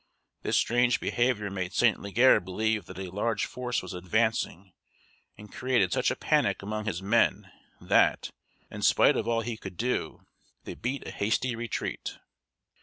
This strange behavior made St. Leger believe that a large force was advancing, and created such a panic among his men that, in spite of all he could do, they beat a hasty retreat.